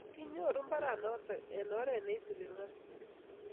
kinyoru mbarenoto eng' oret ne isubi ng'atutit